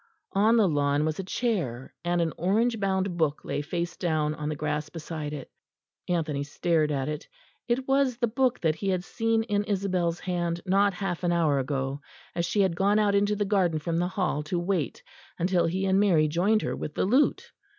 On the lawn was a chair, and an orange bound book lay face down on the grass beside it. Anthony stared at it; it was the book that he had seen in Isabel's hand not half an hour ago, as she had gone out into the garden from the hall to wait until he and Mary joined her with the lute.